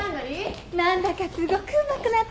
何だかすごくうまくなったわねえ。